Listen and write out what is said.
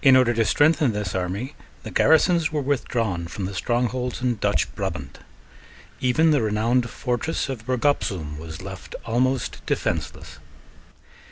In order to strengthen this army the garrisons were withdrawn from the strongholds in Dutch Brabant. Even the renowned fortress of Bergopzoom was left almost defenceless.